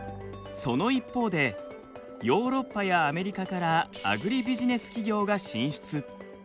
その一方でヨーロッパやアメリカからアグリビジネス企業が進出。